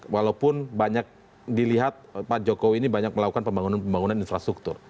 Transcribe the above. walaupun banyak dilihat pak jokowi ini banyak melakukan pembangunan pembangunan infrastruktur